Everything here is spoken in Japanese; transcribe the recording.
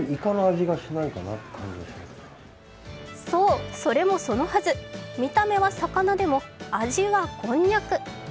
そう、それもそのはず、見た目は魚でも味はこんにゃく。